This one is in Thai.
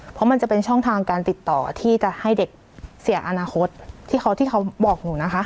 เพราะมันจะเป็นช่องทางการติดต่อที่จะให้เด็กเสียอนาคตที่เขาบอกหนูนะคะ